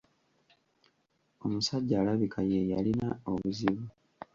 Omusajja alabika ye yali alina obuzibu.